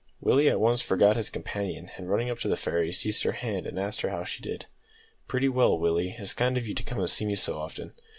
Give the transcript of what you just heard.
Willie at once forgot his companion, and running up to the fairy, seized her hand, and asked her how she did. "Pretty well, Willie. It's kind of you to come and see me so often."